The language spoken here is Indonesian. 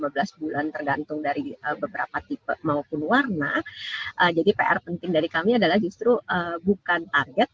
lima belas bulan tergantung dari beberapa tipe maupun warna jadi pr penting dari kami adalah justru bukan target